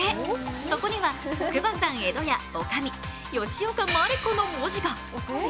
そこには筑波山江戸屋女将・吉岡鞠子の文字が。